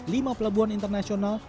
lima pelabuhan internasional